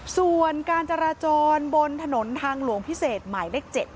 ส่วนการจราจรบนถนนทางหลวงพิเศษหมายเลข๗